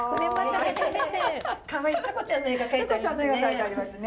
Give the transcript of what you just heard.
タコちゃんの絵が描いてありますね。